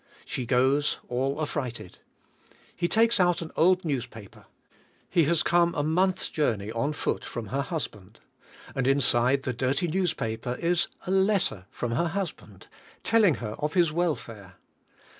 She goes, all affrighted. He takes out an old newspaper. He has come a month's journey on foot from her hus band, and inside the dirty newspaper is a letter from her husband, telling^ her of his welfare.